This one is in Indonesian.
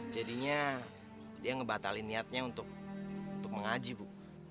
jadinya dia ngebatalin niatnya untuk mengaji bu